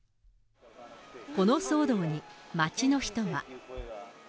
この騒動に、街の人は。